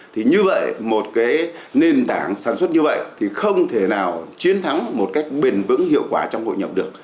thì như vậy một cái nền tảng sản xuất như vậy thì không thể nào chiến thắng một cách bền vững hiệu quả trong hội nhập được